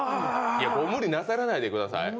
もう無理なさらないでください。